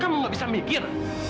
kamu gak bisa mikir